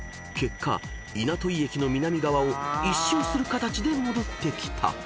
［結果稲戸井駅の南側を１周する形で戻ってきた］